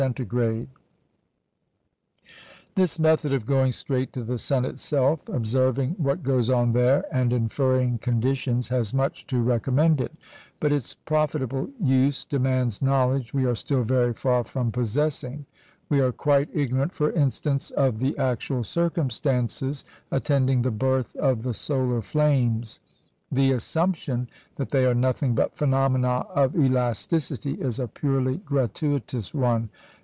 This method of going straight to the sun itself, observing what goes on there, and inferring conditions, has much to recommend it; but its profitable use demands knowledge we are still very far from possessing. We are quite ignorant, for instance, of the actual circumstances attending the birth of the solar flames. The assumption that they are nothing but phenomena of elasticity is a purely gratuitous one.